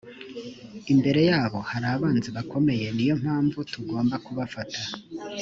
imbere yabo hari abanzi bakomeye ni yo mpamvu tugomba kubafasha